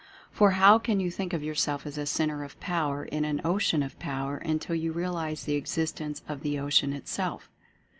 For how can you think of yourself as a Centre of Power, in an Ocean of Power, until you realize the existence of the Ocean itself?